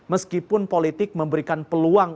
meskipun politik memberikan peluang